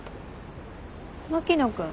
牧野君。